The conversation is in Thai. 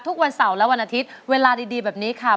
ทุกวันเสาร์และวันอาทิตย์เวลาดีแบบนี้ค่ะ